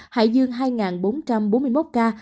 hải dương hai bốn trăm bốn mươi một ca